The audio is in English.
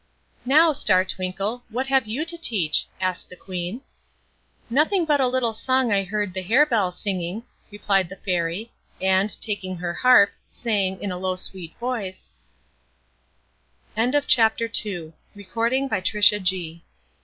"Now, Star Twinkle, what have you to teach?" asked the Queen. "Nothing but a little song I heard the hare bells singing," replied the Fairy, and, taking her harp, sang, in a low, sweet voice:— THE FLOWER'S LESSON. There grew a fragr